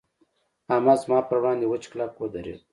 احمد زما پر وړاند وچ کلک ودرېد.